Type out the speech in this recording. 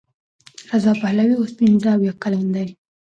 رضا پهلوي اوس پنځه اویا کلن دی.